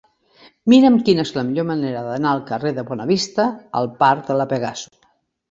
Mira'm quina és la millor manera d'anar del carrer de Bonavista al parc de La Pegaso.